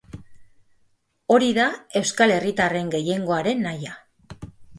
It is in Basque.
Hori da euskal herritarren gehiengoaren nahia.